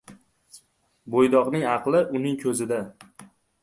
• Bo‘ydoqning aqli uning ko‘zida.